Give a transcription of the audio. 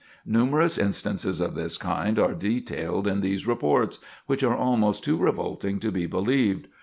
Numerous instances of this kind are detailed in these reports, which are almost too revolting to be believed.